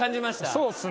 そうっすね。